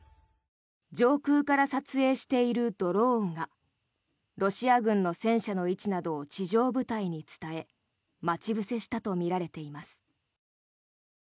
上空から撮影しているドローンがロシア軍の戦車の位置などを地上部隊に伝え待ち伏せしたとみられています。